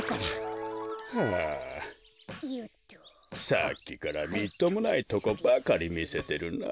さっきからみっともないとこばかりみせてるな。